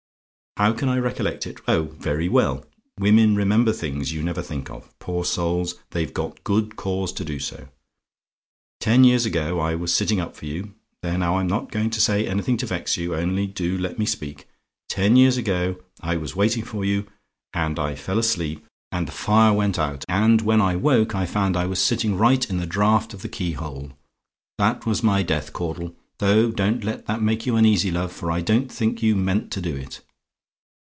"HOW CAN I RECOLLECT IT? "Oh, very well: women remember things you never think of: poor souls! they've good cause to do so. Ten years ago, I was sitting up for you, there now, I'm not going to say anything to vex you, only do let me speak: ten years ago, I was waiting for you, and I fell asleep, and the fire went out, and when I woke I found I was sitting right in the draught of the keyhole. That was my death, Caudle, though don't let that make you uneasy, love; for I don't think you meant to do it.